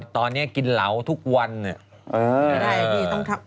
ตอนนี้กินเหลาทุกวันเนี่ย